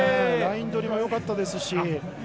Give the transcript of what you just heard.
ライン取りはよかったですし。